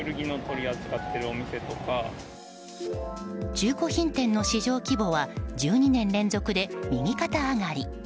中古品店の市場規模は１２年連続で右肩上がり。